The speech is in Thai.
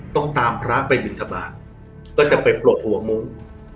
ต้องตามพระไปบินทบาทก็จะไปปลดหัวมุ้ง